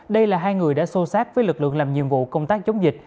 đây là hai người đã xô sát với lực lượng làm nhiệm vụ công tác chống dịch